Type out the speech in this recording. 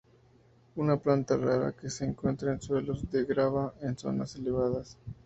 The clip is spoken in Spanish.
Una planta rara, que se encuentra en suelos de grava en zonas elevadas.